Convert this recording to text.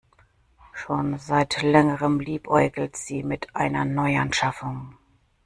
Schon seit längerem liebäugelt sie mit einer Neuanschaffung.